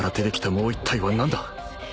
もう一体は何だ？